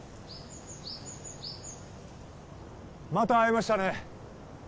また会えましたね